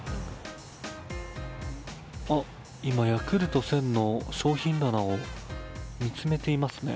今、ヤクルト１０００の商品棚を見つめていますね。